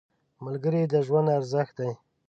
ملګری د ژوند ارزښت دی